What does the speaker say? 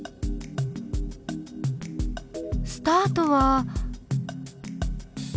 スタートは。